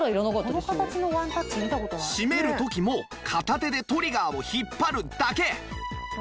閉める時も片手でトリガーを引っ張るだけ！